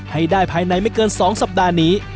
ให้ได้ภายในไม่เกิน๒สัปดาห์นี้